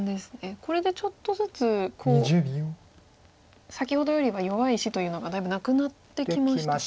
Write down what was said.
これでちょっとずつこう先ほどよりは弱い石というのがだいぶなくなってきましたか？